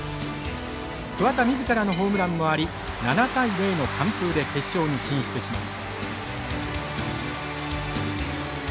桑田みずからのホームランもあり７対０の完封で決勝に進出します。